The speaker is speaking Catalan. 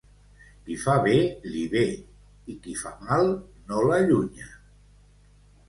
Qui fa bé, li ve; i qui fa mal, no l'allunya.